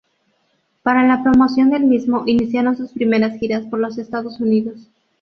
Para la promoción del mismo iniciaron sus primeras giras por los Estados Unidos.